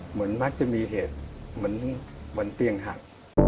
เหมือนมักจะมีเหตุเหมือนเตียงหัก